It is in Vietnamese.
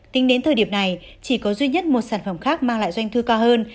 tính đến thời điểm này chỉ có duy nhất một sản phẩm khác mang lại doanh thu cao hơn